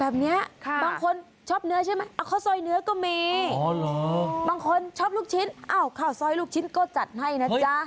แบบนี้บางคนชอบเนื้อใช่ไหมเอาข้าวซอยเนื้อก็มีบางคนชอบลูกชิ้นอ้าวข้าวซอยลูกชิ้นก็จัดให้นะจ๊ะ